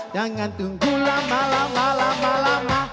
jangan tunggu lama lama lama